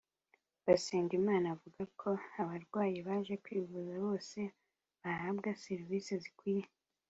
Bisengimana avuga ko abarwayi baje kwivuza bose bahabwa serivise zikwiye